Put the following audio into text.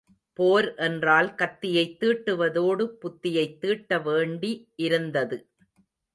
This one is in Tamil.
போர் என்றால் கத்தியைத் தீட்டுவதோடு புத்தியைத் தீட்ட வேண்டி இருந்தது.